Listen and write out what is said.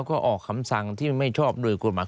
ออกคำสั่งที่ไม่ชอบโดยคุณหมาย